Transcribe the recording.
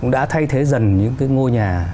đã thay thế dần những cái ngôi nhà